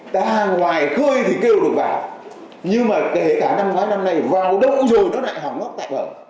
ta ngoài khơi thì kêu được vào nhưng mà kể cả năm nay vào đâu rồi nó lại hỏng ngóc tại vợ